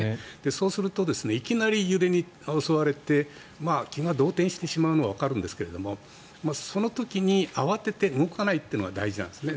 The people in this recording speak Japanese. そうするといきなり揺れに襲われて気が動転してしまうのはわかるんですけどその時に慌てて動かないというのが大事なんですね。